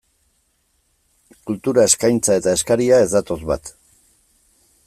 Kultura eskaintza eta eskaria ez datoz bat.